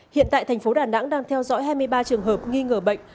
hiện tại thành phố đà nẵng đang theo dõi hai mươi ba trường hợp nghi ngờ bệnh